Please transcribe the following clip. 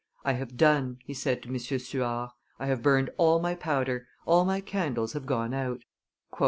"I have done," he said to M. Suard; "I have burned all my powder, all my candles have gone out."